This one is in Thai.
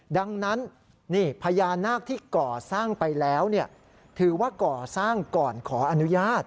ดังนั้นพญานาคที่ก่อสร้างไปแล้วถือว่าก่อสร้างก่อนขออนุญาต